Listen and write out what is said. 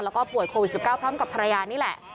แล้วก็ป่วยโควิด๑๙พร้อมกับภรรยานี่แหละ